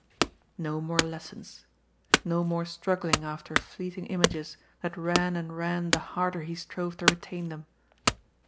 "No more lessons. No more struggling after fleeting images, that ran and ran the harder he strove to retain them.